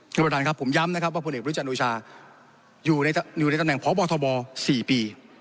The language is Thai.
คุณประดานครับผมย้ำนะครับว่าพเบริจาโนชาอยู่ในตำแหน่งพบธบ๔ปี